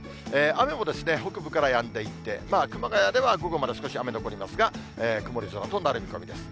雨も北部からやんでいって、熊谷では午後まで少し雨が残りますが、曇り空となる見込みです。